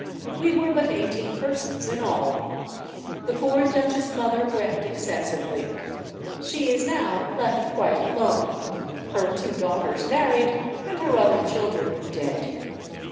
We were but eighteen persons in all.... The poor duchess mother wept excessively; she is now left quite alone, her two daughters married, and her other children dead.